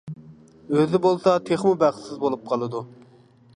ئۆزى بولسا تېخىمۇ بەختسىز بولۇپ قالىدۇ.